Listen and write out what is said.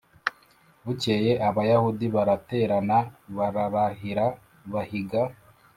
Bukeye Abayuda baraterana bararahira bahiga